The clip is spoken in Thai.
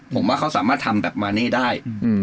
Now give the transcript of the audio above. ผมว่าเขาสามารถทำแบบมาเน่ได้